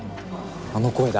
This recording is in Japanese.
あの声だ！